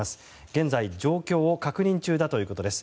現在状況を確認中だということです。